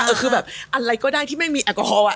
เออคือแบบอะไรก็ได้ที่ไม่มีแอลกอฮอลอ่ะ